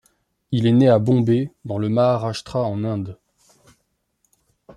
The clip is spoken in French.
Il est né à Bombay dans le Maharashtra en Inde.